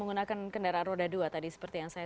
menggunakan kendaraan roda dua tadi seperti yang saya